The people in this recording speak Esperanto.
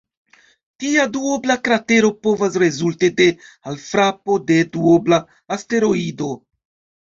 Tia duobla kratero povas rezulti de alfrapo de duobla asteroido.